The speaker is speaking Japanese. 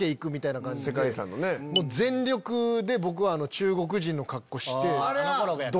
全力で僕中国人の格好して。